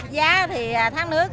giá thì tháng nước